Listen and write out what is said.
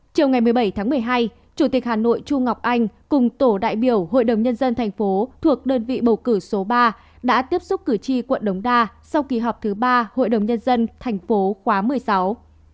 chiều ngày một mươi bảy tháng một mươi hai chủ tịch hà nội chu ngọc anh cùng tổ đại biểu hội đồng nhân dân thành phố thuộc đơn vị bầu cử số ba đã tiếp xúc cử tri quận đống đa sau kỳ họp thứ ba hội đồng nhân dân thành phố khóa một mươi sáu